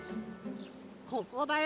ここだよ